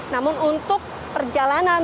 namun untuk perjalanan